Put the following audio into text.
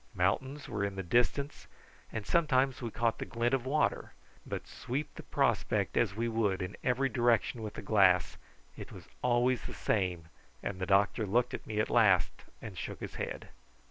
Mountains were in the distance, and sometimes we caught the glint of water; but sweep the prospect as we would in every direction with the glass it was always the same, and the doctor looked at me at last and shook his head.